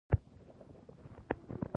دا تکاملي سایکل کولای شي معکوس حرکت وکړي.